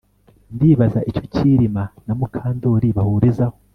Ndibaza icyo Kirima na Mukandoli bahurizaho